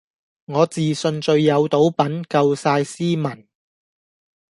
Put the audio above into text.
我自信最有賭品,夠曬斯文